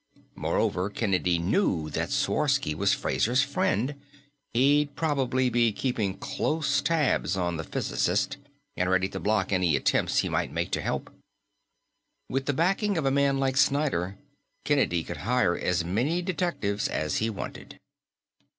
Moreover, Kennedy knew that Sworsky was Fraser's friend; he'd probably be keeping close tabs on the physicist and ready to block any attempts he might make to help. With the backing of a man like Snyder, Kennedy could hire as many detectives as he wanted.